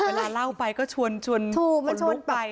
เวลาเล่าไปก็ชวนคนนู้นไป